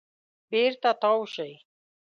بېرته تاو شئ .